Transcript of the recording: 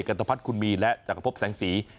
กันตภัทรคุณมีและจักรพพแสงสี